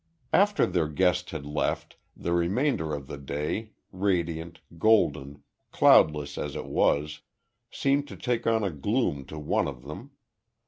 After their guest had left, the remainder of the day, radiant, golden, cloudless as it was, seemed to take on a gloom to one of them.